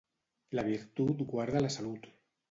La virtut guarda la salut.